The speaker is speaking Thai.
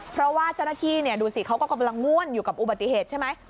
เพราะว่าเจ้าหน้าที่ดูสิเขาก็กำลังม่วนอยู่กับอุบัติเหตุใช่ไหม